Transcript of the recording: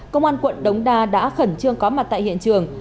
công an quận đống đa đã khẩn trương có mặt tại hiện trường